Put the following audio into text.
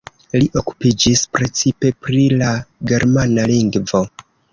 Li okupiĝis precipe pri la germana lingvo.